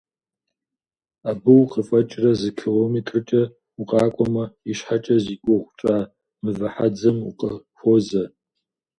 Абы укъыфӀэкӀрэ зы километркӀэ укъакӀуэмэ, ищхьэкӀэ зи гугъу тщӀа «Мывэ хьэдзэм» укъыхуозэ.